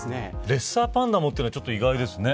レッサーパンダもというのはちょっと意外ですね。